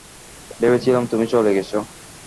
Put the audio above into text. ভেবেছিলাম তুমি চলে গেছ।